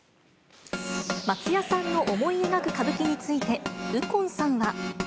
松也さんの思い描く歌舞伎について、右近さんは。